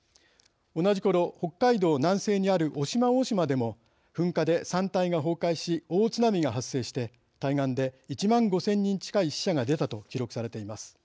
同じころ北海道南西にある渡島大島でも噴火で山体が崩壊し大津波が発生して対岸で１５００人近い死者が出たと記録されています。